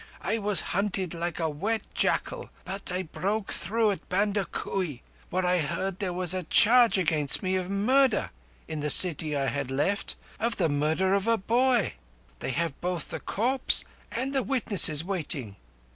I was hunted like a wet jackal; but I broke through at Bandakui, where I heard there was a charge against me of murder in the city I had left—of the murder of a boy. They have both the corpse and the witnesses waiting."